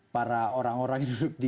para orang orang yang duduk di